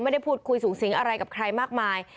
ไม่ได้พูดคุยสูงสิงอะไรกับใครมากมาย